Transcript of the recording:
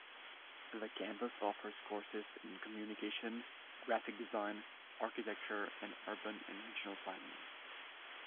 The campus offers courses in communication, graphic design, architecture, and urban and regional planning.